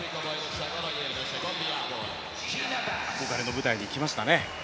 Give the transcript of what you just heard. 憧れの舞台に来ましたね。